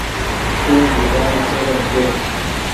او دوڪآن شهريم ڇي۔